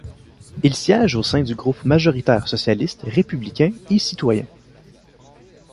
Il siège au sein du groupe majoritaire socialiste, républicain et citoyen.